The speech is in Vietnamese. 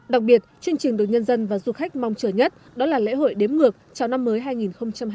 đặc biệt chương trình được nhân dân và du khách mong chờ nhất đó là lễ hội đếm ngược chào năm mới hai nghìn hai mươi